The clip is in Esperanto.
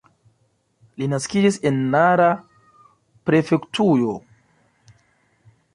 Li naskiĝis en Nara prefektujo.